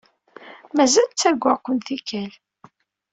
Mazal ttarguɣ-ken tikkal.